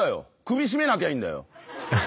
首絞めなきゃいいんだよ。